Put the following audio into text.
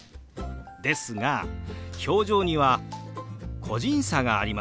ですが表情には個人差がありますよね。